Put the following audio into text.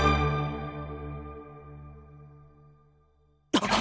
あっ！